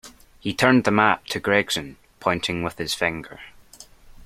He turned the map to Gregson, pointing with his finger.